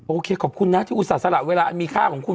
โอเคขอบคุณนะที่อุตส่าห์ละวิอยารมีค่าแบบนี้